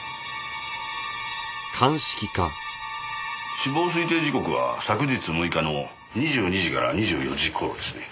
死亡推定時刻は昨日６日の２２時から２４時頃ですね。